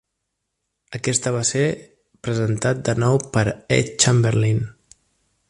Aquesta va ser presentat de nou per Ed Chamberlin.